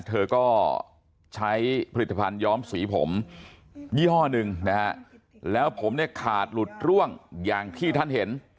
เธอก็ใช้ผลิตภัณฑ์ย้อมสีผมยี่ห้อหนึ่งนะฮะแล้วผมเนี่ยขาดหลุดร่วงอย่างที่ท่านเห็น